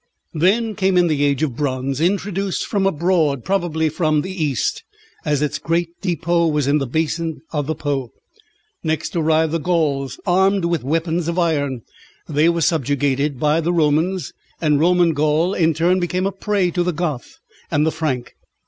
Then came in the Age of Bronze, introduced from abroad, probably from the East, as its great depôt was in the basin of the Po. Next arrived the Gauls, armed with weapons of iron. They were subjugated by the Romans, and Roman Gaul in turn became a prey to the Goth and the Frank.